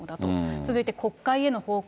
続いて国会への報告。